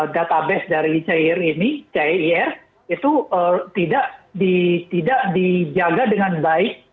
database dari cair ini cair itu tidak dijaga dengan baik